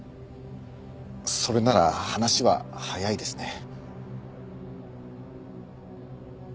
それなら話は早いですね。